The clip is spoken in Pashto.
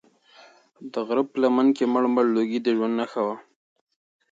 د غره په لمنه کې مړ مړ لوګی د ژوند نښه وه.